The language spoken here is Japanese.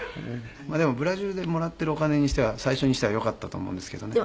まあでもブラジルでもらっているお金にしては最初にしてはよかったと思うんですけどね。